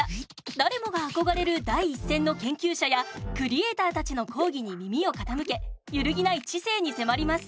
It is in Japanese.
誰もが憧れる第一線の研究者やクリエーターたちの講義に耳を傾け揺るぎない知性に迫ります。